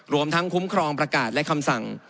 รวมทั้งคุ้มครองประกาศและคำสั่ง